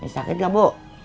ini sakit gak bu